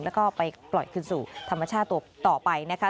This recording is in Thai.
แล้วก็ไปปล่อยคืนสู่ธรรมชาติต่อไปนะคะ